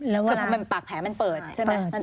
คือพอปากแผลมันเปิดใช่ไหม